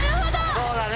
そうだね。